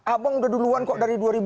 abang udah duluan kok